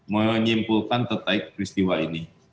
menyimpulkan tetaik peristiwa ini